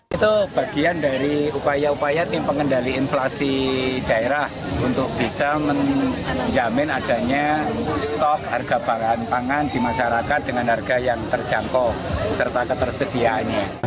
itu bagian dari upaya upaya tim pengendali inflasi daerah untuk bisa menjamin adanya stok harga bahan pangan di masyarakat dengan harga yang terjangkau serta ketersediaannya